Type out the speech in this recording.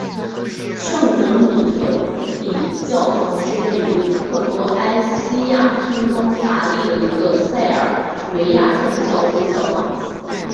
圣德米特里教堂是位于克罗埃西亚村庄达利的一个塞尔维亚正教会的教堂。